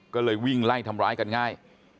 ก็เลยวิ่งไล่ทำร้ายกันง่าย